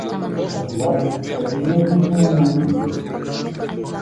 La ciudad recibió tres denominaciones.